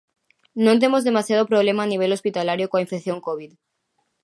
Non temos demasiado problema a nivel hospitalario coa infección covid.